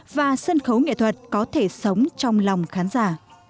và sân khấu nghệ thuật có thể sống trong lòng khán giả